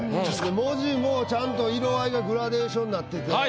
文字もちゃんと色合いがグラデーションになってて。